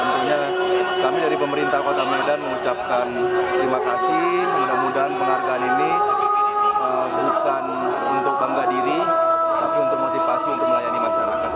tentunya kami dari pemerintah kota medan mengucapkan terima kasih mudah mudahan penghargaan ini bukan untuk bangga diri tapi untuk motivasi untuk melayani masyarakat